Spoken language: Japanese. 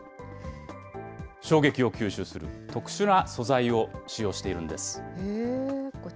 衝撃を吸収する特殊な素材を使用しているんです。